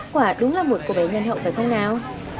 quả đúng là một cô bé nhân hậu phải không nào